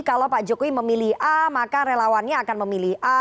kalau pak jokowi memilih a maka relawannya akan memilih a